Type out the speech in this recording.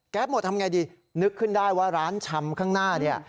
หมดทำไงดีนึกขึ้นได้ว่าร้านชำข้างหน้าเนี่ย